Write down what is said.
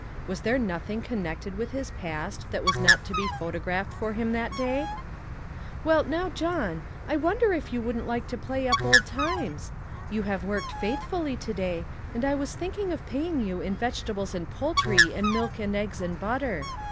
Was there nothing connected with his past that was not to be photographed for him that day ?" Well, now, John, I wonder if you wouldn't like to play up old times? You have worked faithfully to day, and I was thinking of paying you in vegetables and poultry and milk and eggs and butter.